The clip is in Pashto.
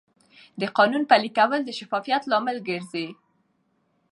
د قانون پلي کول د شفافیت لامل ګرځي.